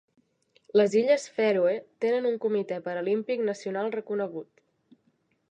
Les illes Fèroe tenen un Comitè Paralímpic Nacional reconegut.